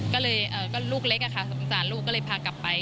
ก็เลยก็ลูกเล็กค่ะสงสารลูกก็เลยพากลับไป